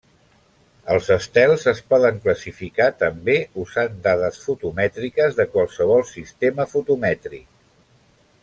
Els estels es poden classificar també usant dades fotomètriques de qualsevol sistema fotomètric.